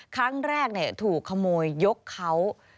ครั้งแรกถูกขโมยยกเขา